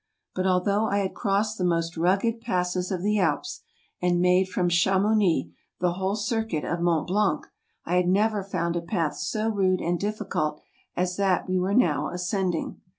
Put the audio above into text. But although I had crossed the most rugged passes of the Alps, and made from Chamounix the whole circuit of Mont Blanc, I had never found a path so rude and difficult as that we were now ascending.